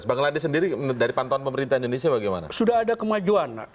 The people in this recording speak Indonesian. bangladesh sendiri dari pantauan pemerintahan indonesia bagaimana